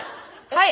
はい！